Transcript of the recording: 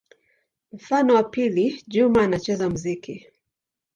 Mfano wa pili: Juma anacheza muziki.